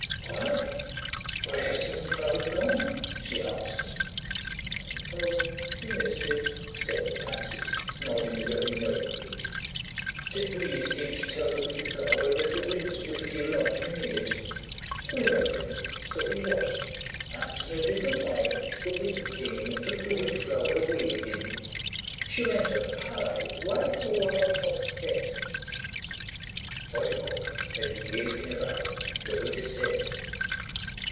"Why, where has the Windflower gone?" she asked. "Oh, you missed it!" said the Pansies, nodding very knowingly. "That breeze came to tell the Windflower that the Wind would be along in a minute. We heard him, so we watched, and in a little while the Wind came and took the Windflower away with him. She went up high right over Hollyhock's head." Hollyhock, who had been gazing about, lowered his head.